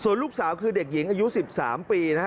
ลูกสาวคือเด็กหญิงอายุ๑๓ปีนะฮะ